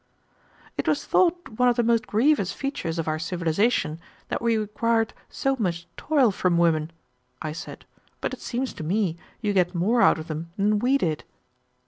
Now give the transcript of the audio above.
"It was thought one of the most grievous features of our civilization that we required so much toil from women," I said; "but it seems to me you get more out of them than we did."